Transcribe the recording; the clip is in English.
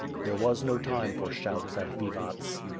There was no time for shouts and vivats.